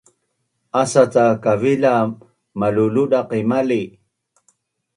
Asa cak kavila maluludaq qi mali